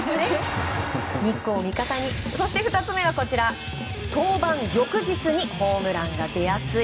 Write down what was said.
そして２つ目は、登板翌日にホームランが出やすい。